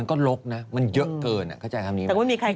ก็ตอนนี้ทำอะไรดี